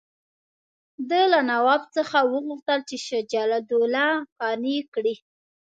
ده له نواب څخه وغوښتل چې شجاع الدوله قانع کړي.